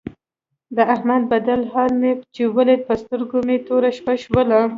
د احمد بدل حال مې چې ولید په سترګو مې توره شپه شوله.